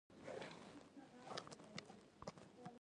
که د شک زړي وکرئ د تلقین قانون هغه جذبوي